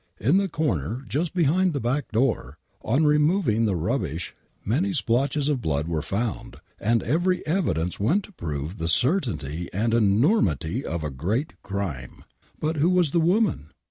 In the corner just behind the back door, on removing the rub bish, m'iny splotches of blood were found, and every evideiiee went to prove the certainty and enormity of a great crime. But who was the woman